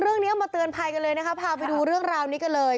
เรื่องนี้เอามาเตือนภัยกันเลยนะคะพาไปดูเรื่องราวนี้กันเลย